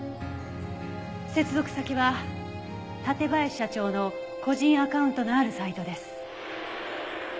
接続先は館林社長の個人アカウントのあるサイトです。